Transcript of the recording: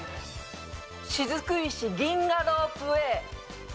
雫石銀河ロープウェー。